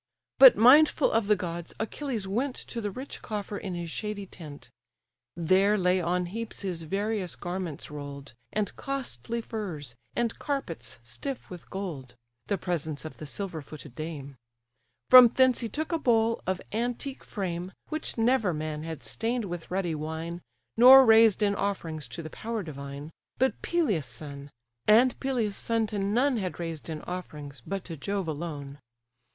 But mindful of the gods, Achilles went To the rich coffer in his shady tent; There lay on heaps his various garments roll'd, And costly furs, and carpets stiff with gold, (The presents of the silver footed dame) From thence he took a bowl, of antique frame, Which never man had stained with ruddy wine, Nor raised in offerings to the power divine, But Peleus' son; and Peleus' son to none Had raised in offerings, but to Jove alone.